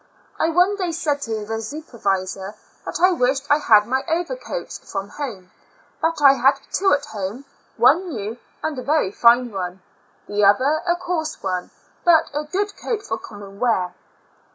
I one day said to the supervisor that I wished I had my overcoats from home ; that I had two at home — one new and a very fine one, the other a coarse one, but a good coat for common wear.